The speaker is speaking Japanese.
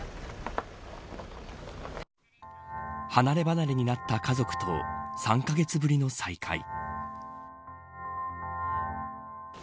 離れ離れになった家族と３カ月ぶりの再会。